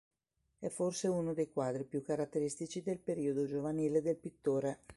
È forse uno dei quadri più caratteristici del periodo giovanile del pittore.